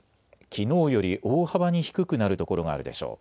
きのうより大幅に低くなる所があるでしょう。